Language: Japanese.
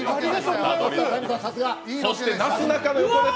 そして、なすなかの横です！